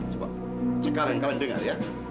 coba cekalan kalian dengar ya